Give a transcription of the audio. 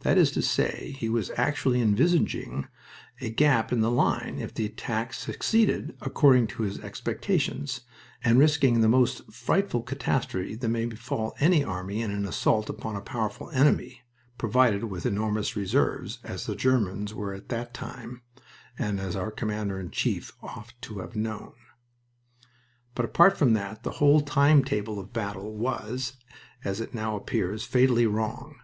That is to say, he was actually envisaging a gap in the line if the attack succeeded according to his expectations, and risking the most frightful catastrophe that may befall any army in an assault upon a powerful enemy, provided with enormous reserves, as the Germans were at that time, and as our Commander in Chief ought to have known. But apart from that the whole time table of the battle was, as it now appears, fatally wrong.